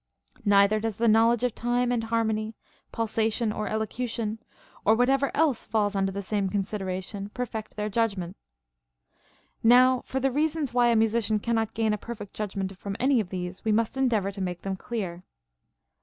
Neither does the knowledge of time and harmony, pulsa tion or elocution, or Avhatever else falls under the same consideration, perfect their judgment. Now for the reasons why a musician cannot gain a perfect judgment from any of these, we must endeavor to make them clear.